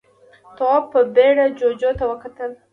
تواب په بيړه جُوجُو ته وکتل.